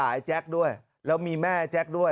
โอ้มีแม่แจ๊คด้วยก็เลยจะโกนด่าลามไปถึงแม่แจ๊คด้วย